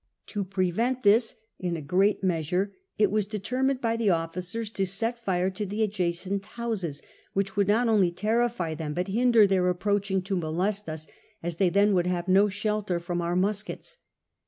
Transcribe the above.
To prevent this, in a great measure, it was determined by the officers to set lire to the adjacent houses, which would not only terrify them, but hinder their approaching to molest us ; as they then would have no shelter from our muskets.